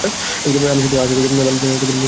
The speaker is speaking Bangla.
আমি শুধু আশা করছি বালুর জন্য মাঠে কোনো গর্ত হবে না।